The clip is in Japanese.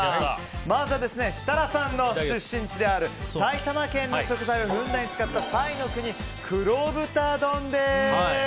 まずは設楽さんの出身地である埼玉県の食材をふんだんに使った彩の国黒豚丼です！